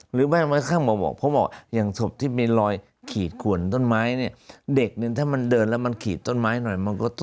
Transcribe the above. หรือข้างบนบอกอย่างศพที่มีรอยขีดขวนต้นไม้เนี่ย